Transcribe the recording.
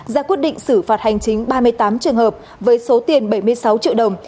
ra quyết định xử phạt hành chính ba mươi tám trường hợp với số tiền bảy mươi sáu triệu đồng